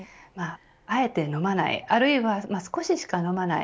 あえて飲まない、あるいは少ししか飲まない